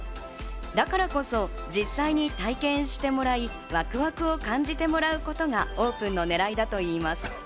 だからこそ実際に体験してもらい、ワクワクを感じてもらうことがオープンの狙いだといいます。